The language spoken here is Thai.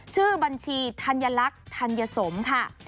ชื่อบัญชีธัญลักษณ์ธัญสมค่ะ